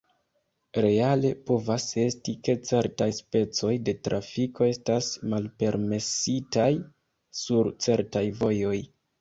Reale povas esti, ke certaj specoj de trafiko estas malpermesitaj sur certaj vojoj.